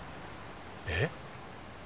えっ？